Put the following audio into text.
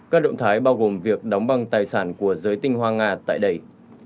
các động thái bao gồm việc đóng băng tài sản của giới tinh hoa nga tại đây